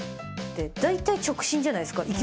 大体直進じゃないですか。